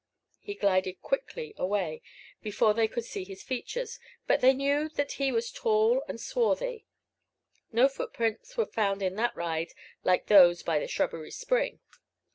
He glided quickly away, before they could see his features, but they knew that he was tall and swarthy. No footprints were found in that ride like those by the shrubbery spring.